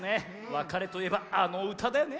わかれといえばあのうただよね。